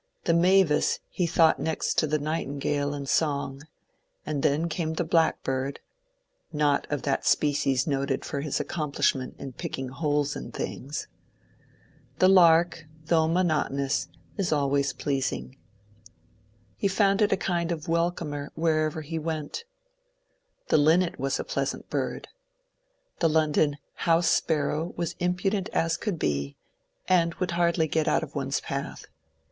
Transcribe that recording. The mavis he thought next to the nightingale in song, and then came the blackbird (^^not of that species noted for his accomplishment in picking holes in things "). The lark, though monotonous, is always pleasing. He found it a kind of welcomer wherever he went. The linnet was a pleasant bird. The London house sparrow was impudent as could be, and would hardly get out of one*s path.